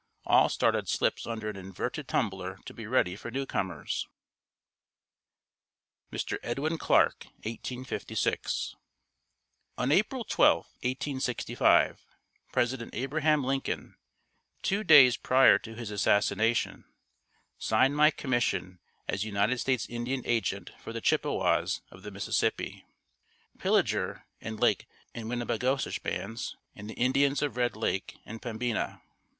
All started slips under an inverted tumbler to be ready for newcomers. Mr. Edwin Clarke 1856. On April 12, 1865, President Abraham Lincoln, two days prior to his assassination, signed my commission as United States Indian Agent for the Chippewas of the Mississippi, Pillager and Lake Winnebagosish bands, and the Indians of Red Lake and Pembina.